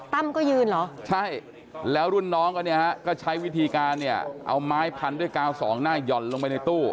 ตั้มก็ยืนเหรอใช่แล้วรุ่นน้องก็ใช้วิธีการเอาไม้พันด้วยกาวสองหน้าย่อนลงไปในตู้